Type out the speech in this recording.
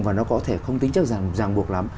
và nó có thể không tính chất ràng buộc lắm